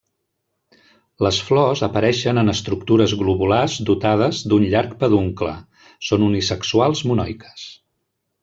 Les flors apareixen en estructures globulars dotades d'un llarg peduncle, són unisexuals monoiques.